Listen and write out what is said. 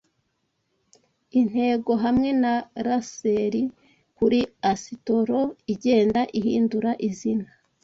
intego hamwe na laseri kuri asitoro igenda ihindura izina